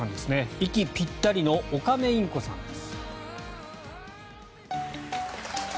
息ぴったりのオカメインコです。